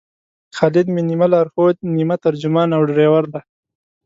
خالد مې نیمه لارښود، نیمه ترجمان او ډریور دی.